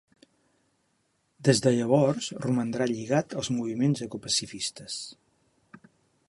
Des de llavors romandrà lligat als moviments ecopacifistes.